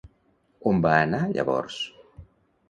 On va anar llavors?